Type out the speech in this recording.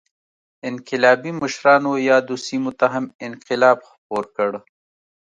انقلابي مشرانو یادو سیمو ته هم انقلاب خپور کړ.